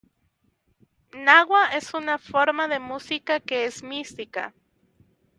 Gnawa es una forma de música que es mística.